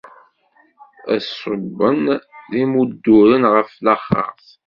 Ad ṣubben d imudduren ɣer laxert!